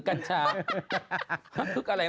แฟนไง